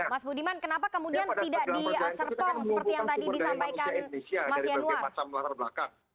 mas budiman kenapa kemudian tidak diserpong seperti yang tadi disampaikan mas yanuar